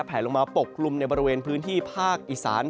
แผลลงมาปกกลุ่มในบริเวณพื้นที่ภาคอีสาน